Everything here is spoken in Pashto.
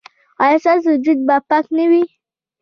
ایا ستاسو وجود به پاک نه وي؟